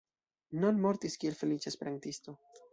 Noll mortis kiel feliĉa esperantisto.